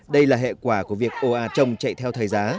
đây là hệ quả của việc ô à trồng chạy theo thời giá